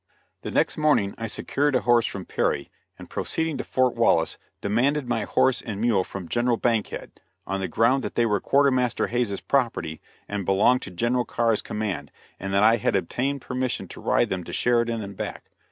The next morning I secured a horse from Perry, and proceeding to Fort Wallace demanded my horse and mule from General Bankhead, on the ground that they were quartermaster Hays' property and belonged to General Carr's command, and that I had obtained permission to ride them to Sheridan and back.